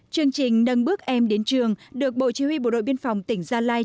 chương trình nâng bước em đến trường được bộ chỉ huy bộ đội biên phòng tỉnh gia lai